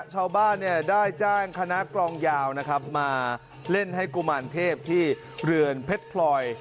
ชาวบ้านได้จ้างคณะกลองยาวนะครับมาเล่นให้กุมารเทพที่เรือนเพชรพลอย